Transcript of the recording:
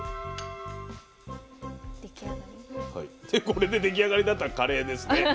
これで出来上がりだったらカレーですね。